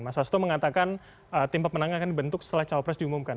mas hasto mengatakan tim pemenang akan dibentuk setelah cawapres diumumkan